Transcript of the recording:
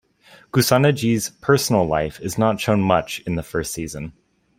Kusanagi's personal life is not shown much in the first season.